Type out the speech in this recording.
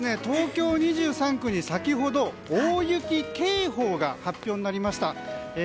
東京２３区に先ほど大雪警報が発表になりました。